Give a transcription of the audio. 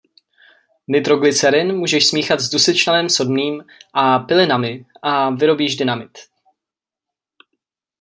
Nitroglycerin můžeš smíchat s dusičnanem sodným a pilinami a vyrobíš dynamit.